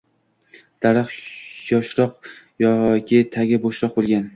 Daraxt yoshroq yoki tagi bo‘shroq bo‘lgan